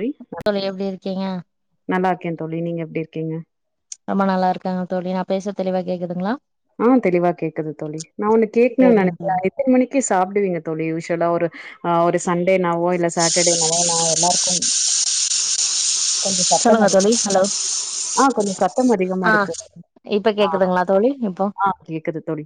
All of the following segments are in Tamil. ழி தோழி எப்டி இருக்கீங்க நல்லா இருக்கே தோழி நீங்க எப்டி இருக்கீங்க ரொம்ப நல்லா இருக்காங்க தோழி நா பேசுற தெளிவா கேக்குதுங்களா ஆ தெளிவா கேக்குது தோழி நா ஒன்னு கேக்ணு சேரிங்க தோழி நெனச்சே எத்ன மணிக்கு சாப்பிடுவீங்க தோழி யூஸ்வலா ஒரு ஆ ஒரு சண்டேனாவோ இல்ல சாட்டர்டேனாவோ நா எல்லாருக்கு கொஞ்சோ சத்தம் சொல்லுங்க அதிக தோழி ஹலோ ஆ கொஞ்சோ சத்தம் அதிகமா ஆ இருக்கு இப்ப ஆ கேக்குதுங்களா தோழி இப்போ ஆ கேக்குது தோழி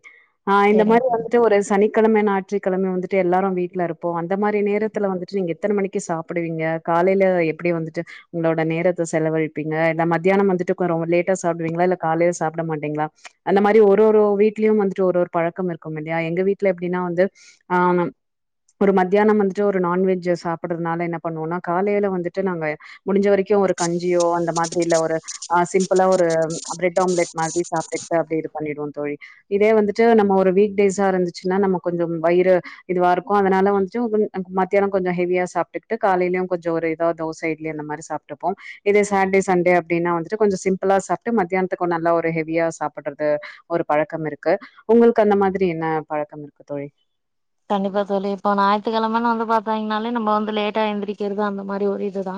இந்த ஆ சேரிங்க மாரி தோழி வந்துட்டு ஒரு சனிக்கெழம ஞாயிறறுக்கெழம வந்துட்டு எல்லாரு வீட்ல இருப் அப்போ அந்த மாரி நேரத்துல வந்துட்டு நீங்க எத்தன மணிக்கு சாப்புடுவீங்க காலையில எப்டி வந்துட்டு உங்களோட நேரத்த செலவழிப்பீங்க இல்ல மத்தியானம் வந்துட்டு கொறோ லேட்டா சாப்டுவீங்களா இல்ல காலே சாப்பிட மாட்டீங்களா அந்த மாரி ஒரு ஒரு வீட்லயு வந்துட்டு ஒரு ஒரு பழக்கம் இருக்கும் இல்லையா எங்க வீட்டுல எப்டினா வந்து ஆ ஒரு மத்தியானம் வந்துட்டு ஒரு நான் வெஜ்ஜ சாப்புடுறதுனால என்ன பண்ணுவோனா காலையில வந்துட்டு நாங்க முடிஞ்ச வரைக்கு ஒரு கஞ்சியோ அந்த மாதிரில ஒரு ஆ சிம்பளா ஒரு பிரெட் ஆம்லெட் மாதிரி சாப்ட்டுட்டு அப்டி இது பண்ணிடுவோ தோழி இதே வந்துட்டு நம்ம ஒரு வீக் டேஸ் இருந்துச்சுன்னா நம்ம கொஞ்ச வயிறு இதுவாருக்கு அதனால வந்துட்டு மத்தியான கொஞ்ச ஹெவியா சாப்பிட்டுட்டு காலைலயு கொஞ்ச ஒரு எதா தோச இட்லி அந்த மாரி சாப்ட்டுப்போ இதே சாட்டே சண்டே அப்படினா வந்துட்டு கொஞ்ச சிம்பிளா சாப்புட்டு மத்தியானத்துக்கு நல்ல ஒருஹெவியா சாப் படுறது ஒரு பழக்கம் இருக்கு உங்களுக்கு அந்த மாதிரி என்ன பழக்கம் இருக்கு தோழி கண்டிப்பா தோழி இப்போ ஞாயித்துக்கெழமனு வந்து பாத்தீங்கன்னாலே நம்ம வந்து லேட்டா எழுந்திரிக்கிறது அந்த மாரி ஒரு இதுதா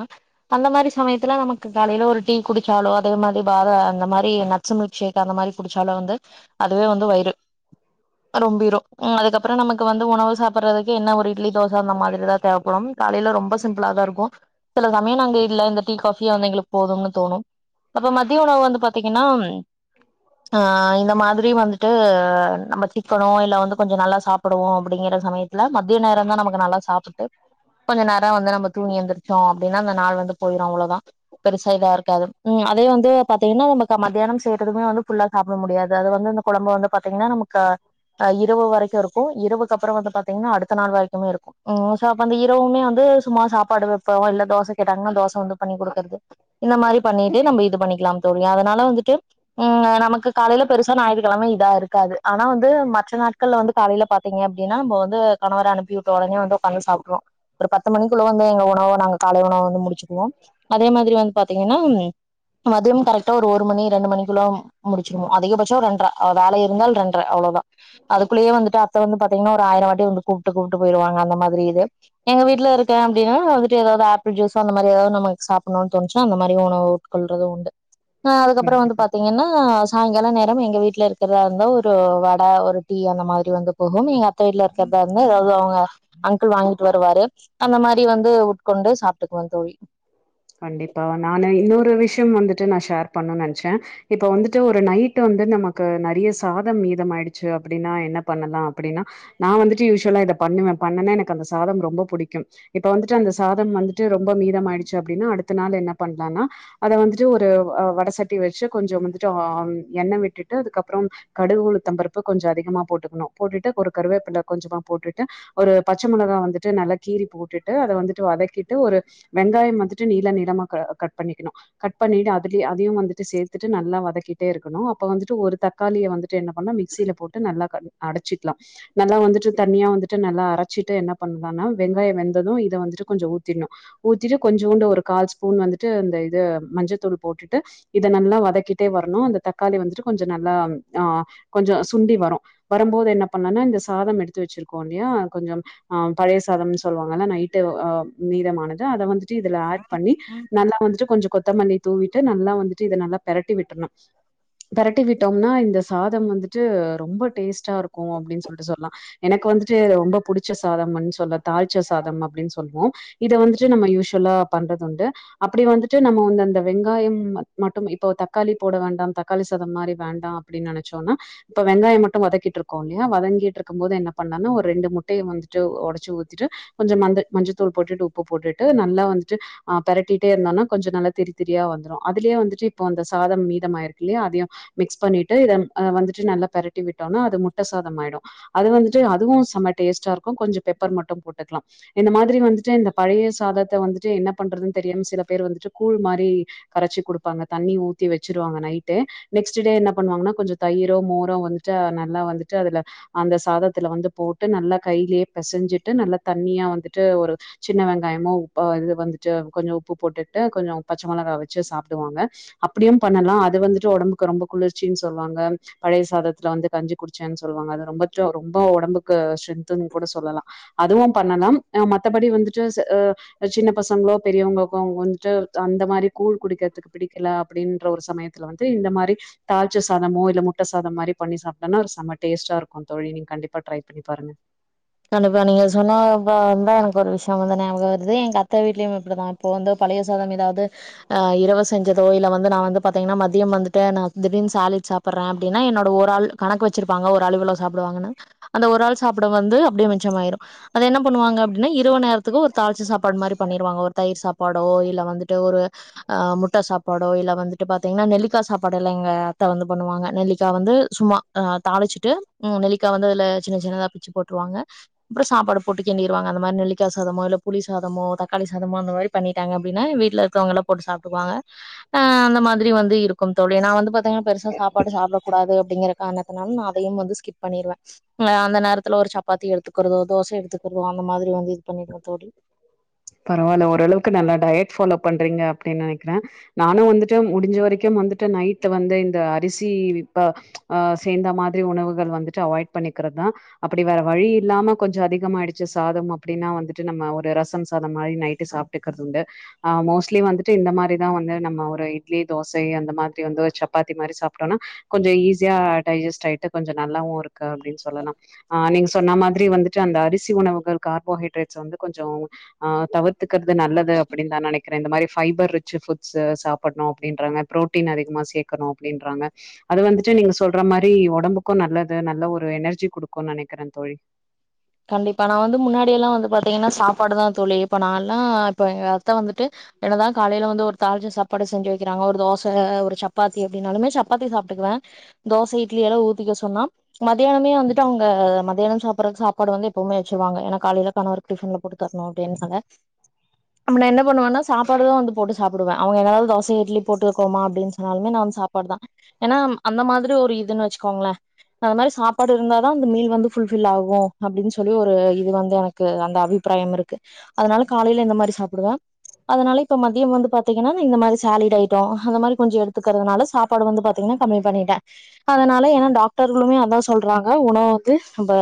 அந்த மாரி சமயத்துல நமக்கு காலையில ஒரு டீ குடிச்சாலோ அதே மாரி பாத அந்த மாரி ந ஸு மில்க் ஷேக் அந்த மாரி குடிச்சாலு வந்து அதுவே வந்து வயிறு ரொம்பிரு அதுக்கப்புறோ நமக் க்கு வந்து உணவு சாப்பிடறதுக்கு என்ன ஒரு இட்லி தோச அந்த மாதிரிதா தேவப்படும் காலையில ரொம்ப சிம்பிளா தா இருக்கு சில சமய நாங்க இல்ல இந்த டீ காஃபியா இருந்தா எங்களுக்கு போதுன்னு தோணு அப்ப மதிய உணவு வந்து பாத்தீங்கன்னா ம் ஆ இந்த மாதிரி வந்துட்டு நம்ம சிக்கனோ இல்ல வந்து கொஞ்ச நல்லா சாப் ப்படுவோம் அப்படிங்கிற சமயத்துல மத்திய நேரம் தான் நமக்கு நல்லா சாப்பிட்டு கொஞ்சோ நேர வந்து நாம தூங்கி எந்திரச்சோ அப்டினா அந்த நாள் வந்து போயிரு அவ்ளவுதா பெருசா இதா இருக்காது அதே வந்து பாத்தீங்கன்னா நம மத்தியான செய்யறதுக்குமே வந்துல்லா சாப்பிட முடியாது அது வந்து இந்த குழம்பு வந்து பாத்தீங்கன்னா நமக்குஹ் இரவு வரைக்கு இருக்கு சோ இரவுக்கு அப்புற வந்து பாத்தீங்கன்னா அடுத்த நாள் வரைக்குமே இருக்கு ம் சோ அப்ப அந்த இரவுமே வந்து சும்மா சாப்பாடு வைப்போ இல்ல தோசை கேட்டாங்கன்னா தோசை வந்து பண்ணி குடுக்குறது இந்த மாதிரி பன்னிட்டு நாம இது பண்ணிக்கலா தோழி அதனால வந்துட்டு ம் நமக்கு காலையில பெருசா ஞாயிற்றுக்கிழமை இதா இருக்காது ஆனா வந்து மற்ற நாட்கள்ல வந்து காலையில பாத்தீங்க அப்படின்னா நம்ம வந்து கணவரை அனுப்பி விட்டு உடனே வந்து உக்காந்து சாப்ட்ருவோம் ஒரு பத்து மணிக்குள்ள வந்து எங்க உணவு நாங்க காலை உணவு வந்து முடிச்சுக்குவோ அதே மாரி வந்து பாத்தீங்கன்னா மதிய கரெக்டா ஒரு மணி ரெண்டு மணிக்குள்ள முடிச்சிருமு அதிகபட்ச ரெண்டரை வேலை இருந்தால் இரண்டரை அவ்வளவுதா அதுக்குள்ளேயே வந்துட்டு தொடர்ந்து பாத்தீங்கன்னா ஒரு ஆயிர வாட்டி வந்து கூப்பிட்டு கூப்பிட்டு போயிருவாங்க அந்த மாதிரி இது எங்க வீட்டுல இருக்கே அப்படனா நான் வந்துட்டு ஏதாவது ஆப்பிள் ஜூஸ் அந்த மாதிரிதாவது நமக்கு சாப்பிடணும்னு தோணுச்சா அந்த மாரி உ கொல்றதும் உண்டு் அ அதுக்கப்புறம் வந்து கண்டிப்பா பாத்தீங் ஏன்ன சாயங்கால நேரக் எங்க வீட்டுல இருக்கிறதா இருந்த ஒரு வடை ஒரு டீ அந்த மாரி வந்து போகு எங்க அத்தை வீட்டுல இருக்கிறதா இருந்து ஏதாவது அவங்க அங்கிள் வாங்கிட்டு வருவாரு அந்த மாதிரி வந்து உட்கொண்டு சாப்பிட்டுக்குவே தோழி கண்டிப்பா நானு இன்னொரு விஷயம் வந்துட்டு நான் ஷேர் பண்ணு நினைச்சேன் இப்ப வந்துட்டு ஒரு நைட் வந்து நமக்கு நெறைய சாதம் மீதம் ஆயிடுச்சு அப்டின்னா என்ன பண்ணலா அப்டின்னா நா வந்துட்டு யூஷுவலா இத பண்ணுவே பண்ணேனா எனக்கு அந்த சாதம் ரொம்ப பிடிக்கு இப்ப வந்துட்டு அந்த சாதம் வந்துட்டு ரொம்ப மீதம் ஆயிடுச்சு அப்படின்னா அடுத்த நாள் என்ன பண்ணலாம்னா அத வந்துட்டு ஒரு் வடை சட்டி வச்சு கொஞ்சோ வந்துட்டு எண்ணெய் விட்டுட்டு அதுக்கப்புற கடுகு உளுத்தம்பருப்பு கொஞ்சம் அதிகமா போட்டுக்கணும் போட்டுட்டு ஒரு கருவேப்பிலை கொஞ்சமா போட்டுட்டு ஒரு பச்சை மிளகா வந்துட்டு நல்லா கீறி போட்டுட்டு அதை வந்துட்டு வதக்கிட்டு ஒரு வெங்காய வந்துட்டு நீள நீளமா கட் பண்ணிக்கணும் கட் பண்ணிட்டு அதுலயே அதையு வந்துட்டு சேர்த்துட்டு நல்லா வதக்கிட்டே இருக்கணு அப்ப வந்துட்டு ஒரு தக்காளியை வந்துட்டு என்ன பண்ணா மிக்ஸியில் போட்டு நல்லா க அடைச்சிக்கலா நல்லா வந்துட்டு தண்ணியா வந்துட்டு நல்லா அரைச்சிட்டு என்ன பன்னாலான வெங்காயம் வெந்ததும் இதை வந்துட்டு கொஞ்சம் ஊத்திடணும் ஊத்திட்டு கொஞ்சோண்டு ஒரு கால் ஸ்பூன் வந்துட்டு இந்த இது மஞ்சத்தூள் போட்டுட்டு இத நல்லா வதக்கிட்டே வரணும் அந்த தக்காளி வந்துட்டு கொஞ்சம் நல்லா ஆஹ் கொஞ்சம் சுண்டி வரு வருபோது என்ன பண்ணலனா இந்த சாதம் எடுத்து வச்சிருக்கோ இல்லையா கொஞ்சம் ஆஹ் பழைய சாதம்னு சொல்லுவாங்கல்ல நைட்டு ஆஹ் மீதமானது அத வந்து இதுல ஆட் பண்ணி நல்லா வந்துட்டு கொஞ்சோ கொத்தமல்லி தூவிட்டு நல்லா வந்துட்டு இதை நல்லா பெரட்டி விட்டுணு பெரட்டி விட்டோம்னா இந்த சாதம் வந்துட்டு ரொம்ப டேஸ்ட்டா இருக்குற அப்படின்னு சொல்லிட்டு சொல்லலாம் எனக்கு வந்துட்டு ரொம்ப புடிச்ச சாதம்னு சொல்ல தாழ்ச சாதம் அப்டின்னு சொல்லுவோ இத வந்துட்டு நம்ம யூசுவலா பண்றது உண்டு அப்டி வந்துட்டு நம்ம ப வந்து அந்த வெங்காய மட்டும இப்போ தக்காளி போடபந வேண்டாம் தக்காளி சாதம் மாதிரி வேண்டாம் அப்டின் நினச்சோன்னா இப்ப வெங்காயம் மட்டு வதக்கிட்டு இருக்கோ இல்லயா வதங்கிட்டு இருக்கு போது என்ன பண்ணனா ஒரு ரெண்டு முட்டையை வந்துட்டு உடைச்சு ஊத்திட்டு கொஞ்சோ மந்த மஞ்சத்தூள் போட்டுட்டு உப்பு போட்டுட்டு நல்லா வந்துட்டு ஆஹ் பரட்டிட்டே இருந்தோனா கொஞ்சோ நல்லா திரித்திரியா வந்துரு அதுலேயே வந்துட்டு இப்ப அந்த சாதம் மீதமாயிருக்கு இல்லயா அதையு மிக்ஸ் பண்ணிட்டு இதை வந்துட்டு நல்லா பெரட்டி விட்டோம்னா அது முட்டை சாதம் ஆயிடு அது வந்துட்டு அதுவு செம்ம டேஸ்ட்டா இருக்கு கொஞ்சோ பெப்பர் மட்டு போட்டுக்கலா இந்த மாதிரி வந்துட்டு இந்த பழைய சாதத்தை வந்துட்டு என்ன பண்றதுன்னு தெரியாம சில பேர் வந்துட்டு கூழ் மாரி கரச்சி குடுப்பாங்க தண்ணி ஊத்தி வச்சிருவாங்க நைட்டு நெக்ஸ்ட் டே என்ன பண்ணுவாங்கன்னா கொஞ்சோ தயிரோ மோரவந்துட்டு நல்லா வந்துட்டு அதுல அந்த சாதத்துல வந்து போட்டு நல்லா கையிலேயே பிசைஞ்சிட்டு நல்லா தண்ணியா வந்துட்டு ஒரு சின்ன வெங்காயமும் உப்ப இது வந்துட்டு கொஞ்சம் உப்பு போட்டுட்டு கொஞ்சம் பச்சை மெளகா வச்சு சாப்பிடுவாங்க அப்டியும் பண்ணலாம் அது வந்துட்டு உடம்புக்கு ரொம்ப குளிர்ச்சின்னு சொல்லுவாங்க பழைய சாதத்துல வந்து கஞ்சி குடிச்சேன்னு சொல்லுவாங்க அது ரொம்ப ரொம்ப உடம்புக்கு ஸ்ட்ரெத்துன்னு கூட சொல்லலாம் அதுவும் பண்ணனும் மத்தபடி வந்துட்டு அ சின்ன பசங்களோ பெரியவங்களுக்கும் அவங்க வந்துட்டு அந்த மாதிரி கூழ் குடிக்கிறதுக்கு பிடிக்கல அப்டின்ற ஒரு சமயம் ல வந்து இந்த மாதிரி தாழ்ச்ச சாதமோ இல்ல முட்ட சாதம் மாதிரி பண்ணி சாப்ட்டேனா செம டேஸ்டா இருக்கும் தோழி நீங்க கண்டிப்பா ட்ரை பண்ணி பாருங்க கண்டிப்பா நீங்க சொன்னப்ப தான் எனக்கு ஒரு விஷயம் வந்து நியாபகம் வருது எங்க அத்த வீட்லயும் இப்டிதான் இப்போ வந்து பழைய சாதம் ஏதாது ஆ இரவு செஞ்சதோ இல்ல வந்து நான் வந்து பாத்தீங்கன்னா மதியம் வந்துட்டு நான் திடீனு சாலிட் சாப்பிட டுறேன் அப்டின்னா என்னோட ஒரு ஆள் கணக்கு வச்சிருப்பாங்க ஒரு அளு இவ்ளோ சாப்டுவாங்கனு அந்த ஒரு ஆள் சாப்பிட வந்து அப்டியே மிச்சமாயிரும் அது என்ன பண்ணுவாங்க அப்டின்னா இரவு நேரத்துக்கு ஒரு தாழிச்ச சாப்பாடு மாதிரி பண்ணிருவாங்க ஒரு தயிர் சாப்பாடோ இல்ல வந்துட்டு ஒரு ஆ முட்டை சாப்பாடோ இல்ல வந்துட்டு பாத்தீங்கன்னா நெல்லிக்காய் சாப்பாடுயெல்லா எங்க அத்தை வந்து பண்ணுவாங்க நெல்லிக்காய் வந்து சும்மா ஆ தாளிச்சுட்டு மூண் நெலிக்கா வந்து அதுல சின்ன சின்னதா பிச்சி போட்டுருவாங்க அப்றம் சாப்பாடு போட்டு கிண்டிருவாங்க அந்த மாதிரி நிலக்கு க்கா சாதமோ இல்ல புளி சாதமோ தக்காளி சாதமோ அந்த மாறி பண்ணிட்டாங்க அப்டின்னா இருக்கவங்கல்லாம் போட்டு சாப்ட்டுவாங்க அ அந்த மாதிரி வந்து இருக்கும் தோழி நான் வந்து பாத்தீங்கன்னா பெருசா சாப்பாடு சாப்டக் கூடாது அப்டிங்கற காரணத்தினால நான் அதையும் வந்து ஸ்கிப் பண்ணிருவேன் அந்த நேரத்துல ஒரு சப் சப்பாத்தி எடுத்துக்கிறதோ தோசை எடுத்துக்கிறதோ அந்த மாதிரி வந்து இது பண்ணிடுவே தோழி பரவால்ல ஓரளவு நல்ல ட்யட் ஃபாலோ பண்றீங்க அப்டின்னு நெனைக்கிறேன் நானும் வந்துட்டு முடிஞ்ச வரைக்கும் வந்துட்டு நைட் வந்து இந்த அரிசிப்ப அ சேந்த மாதிரி உணவுகள் வந்துட்டு அவாய்ட் பண்ணிக்கிறதுதா அப்டி வேற வழி இல்லாம கொஞ்சம் அதிகம் ஆயிடுச்சு போல சாதம் அபடின்னா வந்து வந்துட்டு நம்ம ஒரு ரசம் சாதம் மாதிரி நைட்டு சாப்ட்டுக்கிறதுண்டு ஆ மோஸ்ட்லி வந்துட்டு இந்த மாரிதா வந்து நம்ம ஒரு இட்லி தோசை அந்த மாதிரி வந்து சப்பாத்தி மாரி சாப்டோம்னா கொஞ்சோ ஈஸியா டைஜெஸ்ட் ஆயிட்டு கொஞ்சம் நல்லாவும் இருக்கு க அப்டின்னு சொல்லலா ஆ நீங்க சொன்ன மாதிரி வந்துட்டு அந்த அரிசி உணவுகள் கார்போஹைட்ரேட் வந்து கொஞ்சம் ஆ தவுர்த்துக்கறது நல்லது அப்டின் தா நெனைக்கிறே இந்த மாதிரி பஃபைபர் ரிச் ஃபுட்ஸ் சாப்புட்ணு அப்டின்றாங்க ப்ரோட்டீன் அதிகமாக சேக்கணும் அப்டின்றாங்க அது வந்துட்டு நீங்க சொல்ற மாறி உடம்புக்கும் நல்லது நல்ல ஒரு எனர்ஜி கொடுக்கும்னு நெனைக்கிறேன் தோழி கண்டிப்பா நான் வந்து முன்னாடிலால்லாம் வந்து பாத்தீங்கன்னா சாப்பாடு தான் தோழி இப்ப நான் எல்லாம் இப்ப எங்க அத்தை வந்துட்டு என்னதான் காலையில வந்து ஒரு தாள்ச்ச சாப்பாடு செஞ்சு வைக்கிறாங்க ஒரு தோசை ஒரு சப்பாத்தி அப்டின்னாலுமே சப்பாத்தி சாப்ட்டுக்குவேன் தோசை இட்லி எல்லாம் ஊத்திக்க சொன்னா மத்தியானமே வந்துட்டு அவங்க மத்தியானம் சாப்டற சா கூட வந்து எப்பவுமே வச்சருவாங்க ஏனா காலையிலக்கணவருக்கு டிபன்ல போட்டு தரணும் அப்டின்னு சொங்க நம்ம ந என்ன பண்ணுவேன்னா சாப்பாடு தான் வந்து போட்டு சாப்டுவேன் அவங்க ஏதாவது தோச இட்லி போட்டுக்கோமா அப்டின்னு சொன்னாலுமே நான் வந்து சாப்பாடு தான் ஏன்னா அந்த மாதிரி ஒரு இதுன்னு வச்சுக்கோங்களேன் அது மாரி சாப்பாடு இருந்தாதா அந்த மீல் வந்து ஃபுல்பில் ஆகு அப்டின்னு சொல்லி ஒரு இது வந்து எனக்கு அந்த அபிப்பிராயம் இருக்கு அதனால காலையில இந்த மாதிரி சாப்டுவேன் அதனால இப்ப மதியம் வந்து பாத்தீங்கன்னா இந்த மாதிரி சாலிட் ஐட்டம் அ மாதிரி கொஞ்சம் எடுத்துக்கிறதுனால சாப்பாடு வந்து பாத்தீங்கன்னா கம்மி பண்ணிட்டேன் அதனால ஏன்னா டாக்டர்களுமே அதான் சொல்றாங்க உணவு வந்து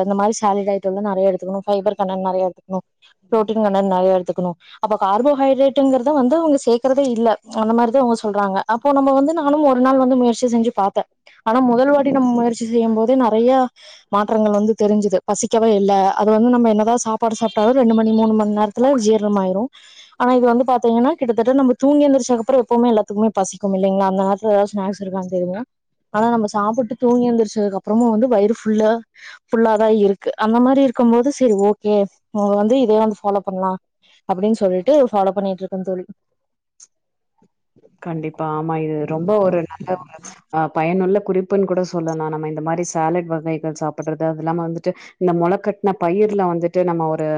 இந்த மாதிரி சாலிட் ஐட்டோல்லாம் நெறைய எடுத்துக்கணும் ஃபைபர்ணா நெறைய எடுத்துக்கணும் புரோட்டீன்னா நெறைய எடுத்துக்கணும் அப்ப கார்போஹைட்ரேட்டுங்கிறத வந்து அவங்க சேக்கறதே இல்ல அந்த மாதிரிதான் அவங்க சொல்றாங்க அப்போ நம்ம வந்து நானும் ஒரு நாள் வந்து முயற்சி செஞ்சு பாத்தேன் ஆனா முதல் வாட்டி நம்ம முயற்சி செய்யும் போதே நெறைய மாற்றங்கள் வந்து தெரிஞ்சுது பசிக்கவே இல்ல அது வந்து நம்ம என்னதா சாப்பாடு சாப்ட்டாலு ரெண்டு மணி மூணு மண் நேரத்துல ஜீரணம் ஆயிரு ஆனா இது வந்து பாத்தீங்கன்னா கிட்டத்தட்ட நம்ம தூங்கிஎந்திரிச்சக் அப்புறோ எப்பவுமே எல்லாத்துக்குமே பசிக்கு இலைங்களா அந்த மார் எதனா ஸ்நாக்ஸ் இருக்கான்னு தெரியுனு ஆனா நம்ம சாப்ட்டு தூங்கி எந்திரிச்சதுக்கு அப்பறமு வந்து வயிறு ஃபுல்லா ஃபுல்லாதா இருக்கு அந்த மாரி இருக்கும் போது செரி ஓகே உங்க வந்து இதே வந்து ஃபாலோ பண்லா அப்டின் சொல்லிட்டு ஃபாலோ பண்ணிட்டு இருக்கே தோழி கண்டிப்பா ஆமா இது ரொம்ப ஒரு நல்லவுக அ பயனுள்ள குறிப்புன்னு கூட சொல்லலா நம்ம இந்த மாரி சாலட் வகைகள் சாப்டுறது அது இல்லாம வந்துட்டு இந்த மொளக்கட்ன பயிர்ல வந்துட்டு நம்ம ஒரு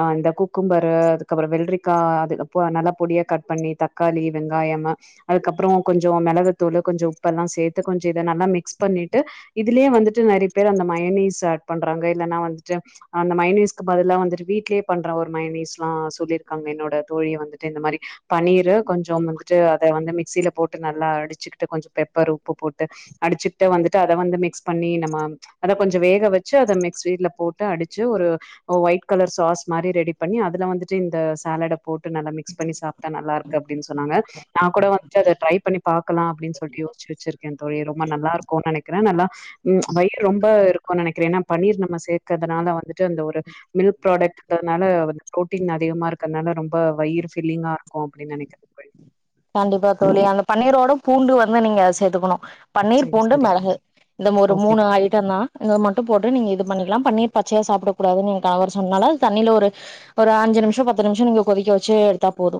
ஆ இந்த குக்கும்பரு அதுக்கப்பற வெல்ரிக்கா அதுக் பொ நல்லா பொடியா கட் பண்ணி தக்காளி வெங் காயம அதுக்கப்புறோ கொஞ்சோ மிளகுத்தூளு கொஞ்சோ உப்பெல்லா சேத்து கொஞ்சோ இத நல்லா மிக்ஸ் பண்ணிட்டு இதுலயே வந்துட்டு நெறையா பேர் அந்த மயனீஸ் ஆட் பண்றாங்க இல்லைன்னா வந்துட்டு அந்த மைனீஸ்கு பதிலா வந்துட்டு வீட்லே பண்ற ஒரு மைனீஸ்ல்லா சொல்லியிருக்காங்க என்னோட தோழியே வந்துட்டு இந்த மாரி பன்னீரு கொஞ்சம் வந்துட்டு அத வந்து மிக்சியில போட்டு நல்லா அடிச்சுக்கிட்டு கொஞ்ச பெப்பர் உப்பு போட்டு அடிச்சுக்கிட்ட வந்துட்டு அத வந்து மிக்ஸ் பண்ணி நம்ம அத கொஞ்சோ வேக வச்சு அத மிக்ஸில போட்டு அடிச்சு ஒரு ஓ ஒயிட் கலர் சாஸ் மாரி ரெடி பண்ணி அதுல வந்துட்டு இந்த சாலட போட்டு நல்லா மிக்ஸ் பண்ணி சாப்ட்டா நல்லா இருக்கு அப்டின்னு சொன்னாங்க நா கூட வன்ட்டு அத ட்ரை பண்ணி பாக்கலா அப்டின்னு சொல்லி யோஸ்ச்சு வச்சிருக்கே தொழி ரொம்ப நல்லா இருக்கு நெனைக்கிறே நல்லாம் வயிறு ரொம்ப இருக்குன் நினைக்கிறே ஏன்னா பன்னீர் நம்ம சேக்கற்துனால வந்துட்டு அந்த ஒரு மில்க் ப்ராடக்ட்ங்றதுனால வந்து ப்ரோட்டீன் அதிகமா இருக்கிறனால ரொம்ப வயிறு ப்பில்லிங்கா இருக்கு அப்டின்னு நினைக்க கண்டிப்பா தோழி அந்த பன்னீரோட பூண்டு வந்து நீங்க சேத்துக்கணு பன்னீர் சரி பூண்டு சரி மிளகு இந்த ஒரு ஓகே மூணு ஐட்டந்தா இத மட்டும் போட்டு நீங்க இது பண்ணிக்கலா பண்ணீர் பச்சயா சாப்ட கூடாதுன்னு கணவர் சொன்னால அது தண்ணியில ஒரு ஒரு அஞ்சு நிம்ஷோ பத்து நிம்ஷோ நீங்க கொதிக்க வச்சு எடுத்தா போது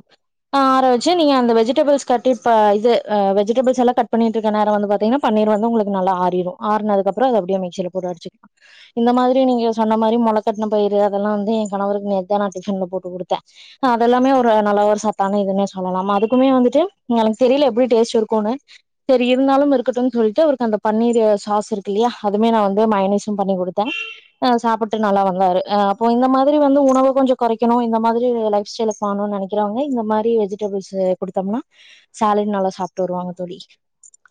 ஆற வச்சு நீங்க அந்த வெஜிடபிள்ஸ் கட்டு இப்போ இது வெஜிடபுள்ஸ் எல்லா கட் பண்ணிட்டு இருக்க நேரோ வந்து பாத்திங்கன்னா பன்னீர் வந்து உங்களுக்கு நல்ல ஆறிரு ஆறுனது குஅப்றம் அத அப்டியே மிக்சில போட்டுஅடிச்சிக்கலா இந்த மாதிரி நீங்க சொன்ன மாரி மொளக்கட்ன பயிரு அதெல்லா வந்து எ கணவருக்கு நேத்தா நா டிஃப்ன்ல போட்டு குடுத்த அதெல்லாமே ஒரு நல்ல ஒரு சத்தான இதுன்னே சொல்லலாமா அதுக் க்குமே வந்துட்டு எனக்கு தெரியில எப்டி டேஸ்ட் இருக்குனு செரி இருந்தாலு இருக்கட்டும்னு சொல்லிட்டு அவருக்கு அந்த பன்னீர் சாஸ் இருக்கு இல்லியா அதுமே நா வந்து மைனஸு பண்ணி கொடுத்தே அ சாப்புட்டு நல்லா வந்தாரு ஆ இப்போ இந்த மாதிரி வந்து உணவ கொஞ்ச கொறைக்கணு இந்த மாதிரி லைஃப் ஸ்டைலு பண்னு நெனைகிறவங்க இந்த மாதிரி வெஜிடபிள் குடுத்தம்னா சாலட் நல்லா சாப்ட்டு வருவாங்க தோழி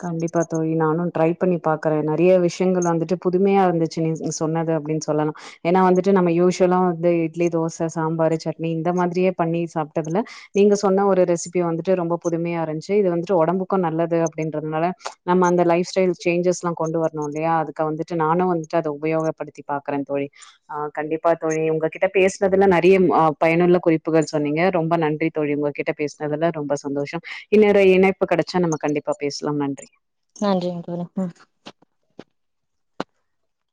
கண்டிப்பா தோழி நானு ட்ரை பண்ணி பாக்கறே நெறையா விஷயங்கள் வந்துட்டு புதுமையா இருந்துச் சேர் நீ சொன்னது அப்டின்னு சொல்லலா ஏனா வந்துட்டு நம்ம யூசுவலா வந்து இட்லி தோச சாம்பாரு சட்னி இந்த மாதிரியே பண்ணி சாப் தகல நீங்க சொன்ன ஒரு ரெசிபி வந்துட்டு ரொம்ப புதுமையா இருந்துச்சு இது வந்துட்டு உடம்புக்கு நல்லது அப்டின்றதுனால நம்ம அந்த லைஃப் ஸ்டைல் சேஞ்சஸ்ல்லா கொண்டு வரணு இல்லையா அதுக்கு வந்துட்டு நானு வந்துட்டு அத உபயோகப்படுத்தி பாக்றே தோழி ஆ கண்டிப்பா தொழி உங்ககிட்ட பேசுனதுல நெறைய பயனுள்ள குறிப்புகள் சொன்னீங்க ரொம்ப நன்றி தொழி உங்ககிட்ட பேசினதுல ரொம்ப சந்தோஷம் இன்னொரு இணைப்பு கெடைச்சா நம்ம கண்டிப்பா பேஸ்லாம் நன்றி நன்றி ஒருதரோ அ